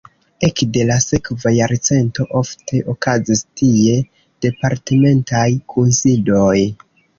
Ekde la sekva jarcento ofte okazis tie departementaj kunsidoj.